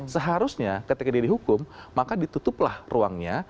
seharusnya ketika dia dihukum maka ditutuplah ruangnya